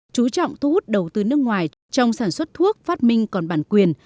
chú trọng thu hút đầu tư nước ngoài trong sản xuất thuốc phát minh còn bản quyền